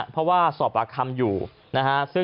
เพราะว่าสอบประคำอยู่